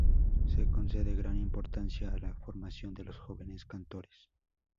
Se concede gran importancia a la formación de los jóvenes cantores.